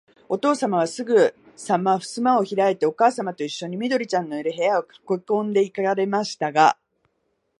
おとうさまは、すぐさまふすまをひらいて、おかあさまといっしょに、緑ちゃんのいる、部屋へかけこんで行かれましたが、